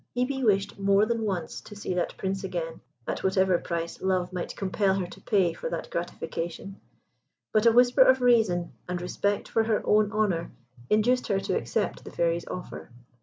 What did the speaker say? Hebe wished more than once to see that Prince again at whatever price Love might compel her to pay for that gratification; but a whisper of Reason, and respect for her own honour, induced her to accept the Fairy's offer.